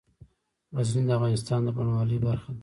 غزني د افغانستان د بڼوالۍ برخه ده.